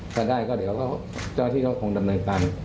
ถ้าได้ก็เดี๋ยวเจ้าที่เขาคงดำเนินการ